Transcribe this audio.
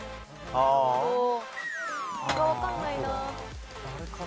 わかんないな。